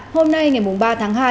hôm nay ngày mùng ba tháng hai